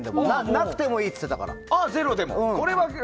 なくてもいいっつってたから。